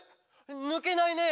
ぬけないねえ！！」